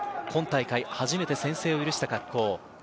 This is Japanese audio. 今大会、初めて先制を許した格好。